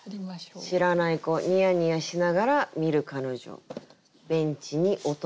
「知らない子ニヤニヤしながら見る彼女ベンチにおとなり」。